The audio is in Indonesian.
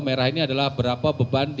merah ini adalah berapa beban